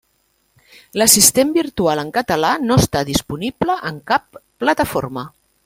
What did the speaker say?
L'assistent virtual en català no està disponible en cap plataforma.